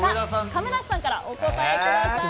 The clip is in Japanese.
亀梨さんからお答えください。